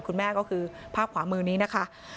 คุณแม่ก็คือภาพขวามือนี้นะคะ